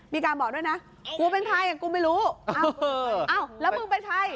มีการบอกด้วยนะกูเป็นใครอ่ะกูไม่รู้อ้าวแล้วมึงเป็นใคร